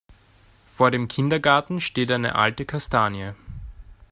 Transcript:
Vor dem Kindergarten steht eine alte Kastanie.